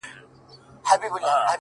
چي ته به يې په کومو صحفو؛ قتل روا کي؛